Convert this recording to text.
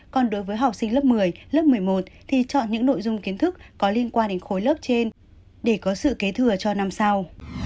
còn đối với học sinh lớp một mươi lớp một mươi một thì chọn những nội dung kiến thức có liên quan đến khối lớp trên để có sự kế thừa cho năm sau